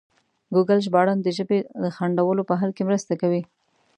ګوګل ژباړن د ژبې د خنډونو په حل کې مرسته کوي.